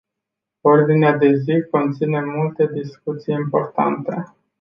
Ordinea de zi conține multe discuții importante.